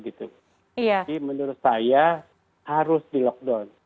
jadi menurut saya harus di lockdown